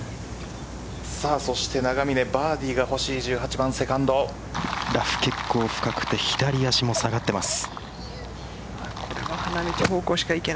そして、永峰バーディーが欲しい、１８番ラフ結構深くて左足も下がっています。